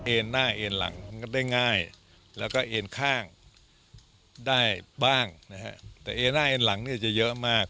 เอนหน้าเอนหลังยังได้ง่ายและเอนข้างได้แต่เยอะมาก